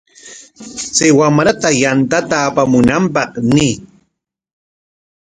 Chay wamra yantata apamunanpaq ñiy.